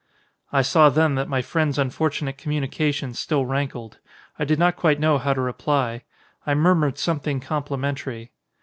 I saw then that my friend's unfortunate com munication still rankled. I did not quite know how to reply. I murmured something compli mentary.